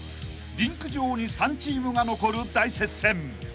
［リンク上に３チームが残る大接戦］